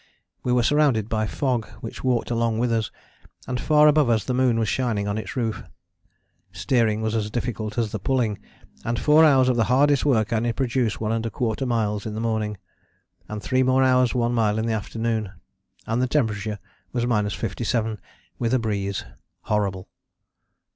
We were surrounded by fog which walked along with us, and far above us the moon was shining on its roof. Steering was as difficult as the pulling, and four hours of the hardest work only produced 1¼ miles in the morning, and three more hours 1 mile in the afternoon and the temperature was 57° with a breeze horrible!